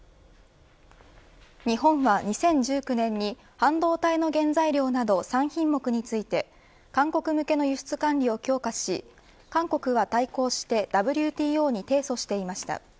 日本は２０１９年に半導体の原材料など３品目について韓国向けの輸出管理を強化し韓国は対抗してＷＴＯに提訴していました。